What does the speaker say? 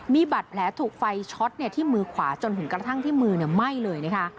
มีบาดแผลถูกไฟช็อตที่มือขวาจนถึงกระทั่งที่มือไหม้เลยนะคะ